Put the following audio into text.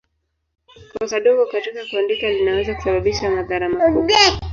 Kosa dogo katika kuandika linaweza kusababisha madhara makubwa.